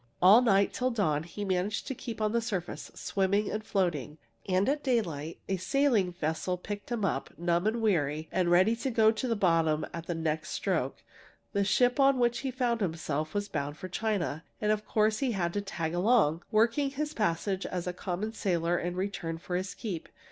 "All night, till dawn, he managed to keep on the surface, swimming and floating. And at daylight a sailing vessel picked him up, numb and weary, and ready to go to the bottom at the next stroke. The ship on which he found himself was bound for China, and of course he had to 'tag along,' working his passage as a common sailor in return for his keep.